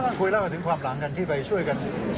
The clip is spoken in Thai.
ก็มาก่อนคุยแล้วถึงความหลังกันที่ไปช่วยกัน